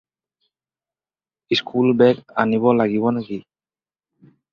School bag আনিব লাগিব নেকি?